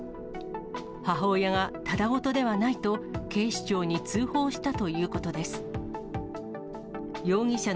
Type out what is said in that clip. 母親がただごとではないと、警視庁に通報したということです。